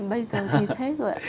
bây giờ thì hết rồi ạ